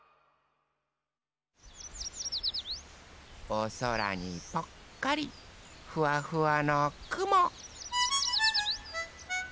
おそらにぽっかりふわふわのくも。